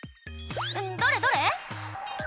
どれどれ？